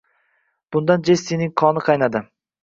Bundan Jessining qoni qaynadi